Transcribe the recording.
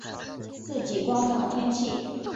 自己观察天气